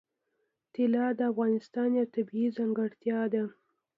طلا د افغانستان یوه طبیعي ځانګړتیا ده.